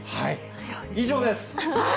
以上です。